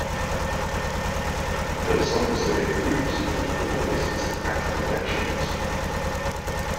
Though some civic groups put forward lists at the elections.